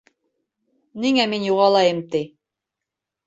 — Ниңә мин юғалайым, ти.